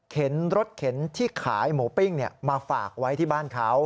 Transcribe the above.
รถเข็นที่ขายหมูปิ้งมาฝากไว้ที่บ้านเขา